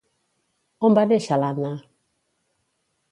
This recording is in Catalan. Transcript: On va néixer l'Anna?